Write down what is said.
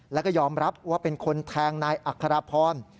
แล้วก็ยอมรับว่าเป็นคนแทงนายอัครพร